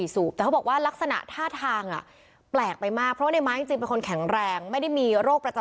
สวัสดีค่ะสสวัสดีค่ะสสวัสดีค่ะส